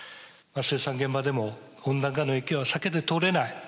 生産現場でも温暖化の影響は避けて通れない